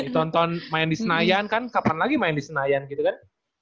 tonton main di senayan kan kapan lagi main di senayan gitu kan